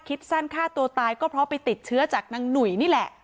คิดสั้นฆ่าตัวตายก็เพราะไปติดเชื้อจากนางหนุ่ยนี่แหละ